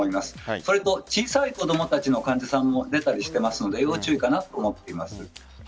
それと小さい子供たちの患者さんも出たりしていますので要注意かなと思っています。